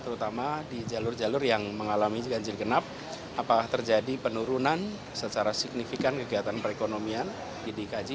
terutama di jalur jalur yang mengalami ganjil genap apakah terjadi penurunan secara signifikan kegiatan perekonomian di dki